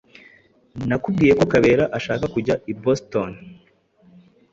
Nakubwiye ko Kabera ashaka kujya i Boston.